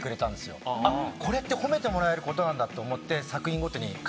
あっこれって褒めてもらえることなんだって思って。